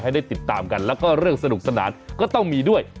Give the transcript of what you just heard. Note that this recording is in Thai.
ให้ได้ติดตามกันแล้วก็เรื่องสนุกสนานก็ต้องมีด้วย